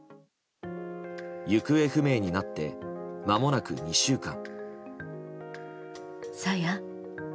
行方不明になってまもなく２週間。